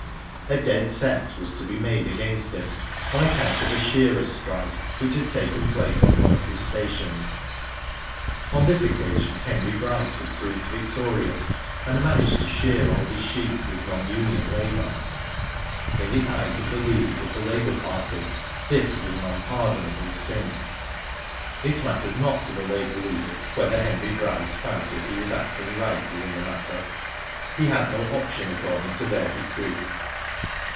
A dead set was to be made against him, on account of a shearers' strike which had taken place on one of his stations. On this occasion Henry Bryce had proved vic torious, and managed to shear all his sheep with non union labour. In the eyes of the leaders of the labour party this was an unpardonable sin. It mattered not to the labour leaders whether Henry Bryce fancied he was acting rightly in the matter. He had no option according to their decree.